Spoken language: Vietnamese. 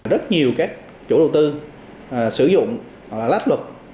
rất nhiều các chủ đầu tư sử dụng hoặc là lát luật